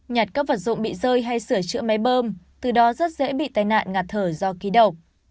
nhặt các vật dụng bị rơi hay sửa chữa máy bơm từ đó rất dễ bị tai nạn ngạt thở do ký đầu